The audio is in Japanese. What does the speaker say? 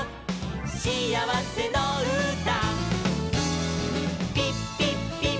しあわせのうた」